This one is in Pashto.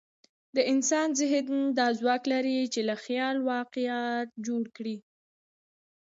د انسان ذهن دا ځواک لري، چې له خیال واقعیت جوړ کړي.